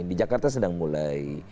di jakarta sedang mulai